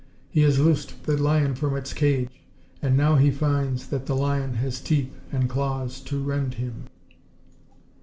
He has loosed the lion from its cage, and now he finds that the lion has teeth and claws to rend him.